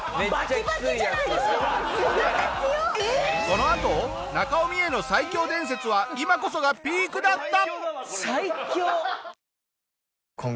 このあと中尾ミエの最強伝説は今こそがピークだった！